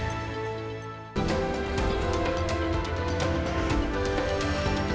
kita sudah berjalan dengan baik